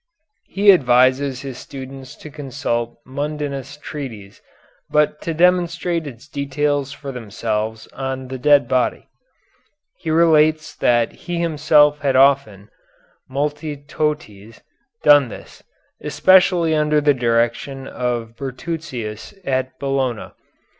He advises his students to consult Mundinus' treatise but to demonstrate its details for themselves on the dead body. He relates that he himself had often, multitoties, done this, especially under the direction of Bertruccius at Bologna.